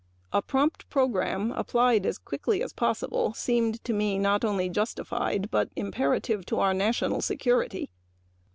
A prompt program applied as quickly as possible seemed to me not only justified but imperative to our national security.